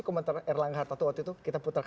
kalau bapak deklarasi nanti kapan pak